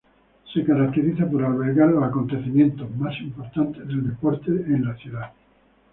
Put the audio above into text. Se caracteriza por albergar los eventos más importantes del deporte en la ciudad.